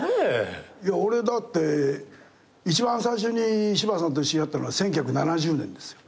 いや俺だって一番最初に柴さんと一緒にやったのは１９７０年ですよ。